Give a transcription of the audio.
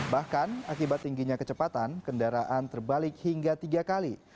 bahkan akibat tingginya kecepatan kendaraan terbalik hingga tiga kali